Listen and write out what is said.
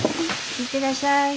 行ってらっしゃい。